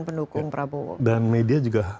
pendukung prabowo dan media juga